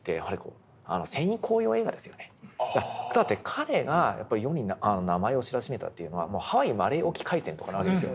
彼がやっぱり世に名前を知らしめたというのは「ハワイ・マレー沖海戦」とかなわけですよ。